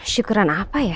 syukuran apa ya